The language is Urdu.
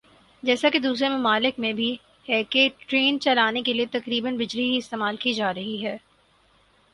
جیسا کہ دوسرے ممالک میں بھی ہے کہ ٹرین چلانے کیلئے تقریبا بجلی ہی استعمال کی جارہی ھے